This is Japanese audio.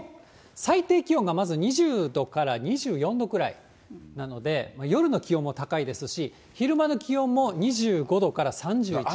最低気温がまず２０度から２４度くらいなので、夜の気温も高いですし、昼間の気温も２５度から３１、２度。